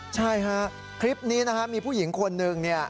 ใช่ฮะคลิปนี้นะฮะมีผู้หญิงคนหนึ่งเนี่ย